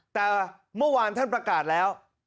แต่เมื่อวานท่านประกาศแล้ว